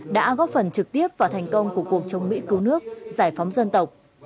đã góp phần trực tiếp vào thành công của cuộc chống mỹ cứu nước giải phóng dân tộc